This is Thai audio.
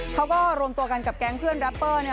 เขาก็รวมตัวกันกับแก๊งเพื่อนแรปเปอร์